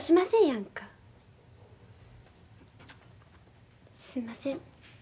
すんません。